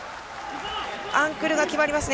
アンクルが決まりますね。